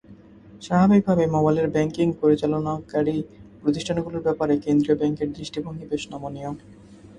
স্বাভাবিকভাবেই mobile banking পরিচালনাকারী প্রতিষ্ঠানগুলোর ব্যাপারে কেন্দ্রীয় ব্যাংকের দৃষ্টিভঙ্গি বেশ নমনীয়।